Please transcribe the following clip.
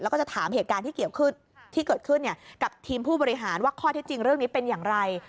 แล้วก็จะถามเหตุการณ์ที่เกิดขึ้นกับทีมผู้บริหารว่าข้อเท็จจริงเรื่องนี้เป็นอย่างไร